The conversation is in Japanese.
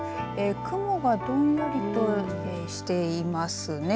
雲がどんよりとしていますね。